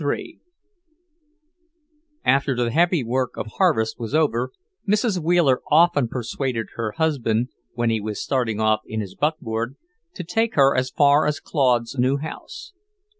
III After the heavy work of harvest was over, Mrs. Wheeler often persuaded her husband, when he was starting off in his buckboard, to take her as far as Claude's new house.